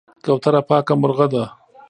کوتره پاکه مرغه ده.